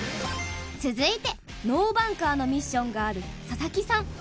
続いてノーバンカーのミッションがある佐々木さん。